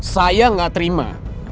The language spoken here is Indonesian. saya gak terima